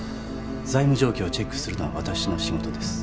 財務状況をチェックするのは私の仕事です